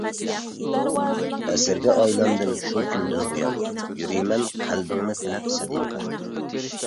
ئەسىرگە ئايلاندىم شۇ كۈندىن بۇيان، يۈرىمەن قەلبىڭنى تىلەپ سەدىقە.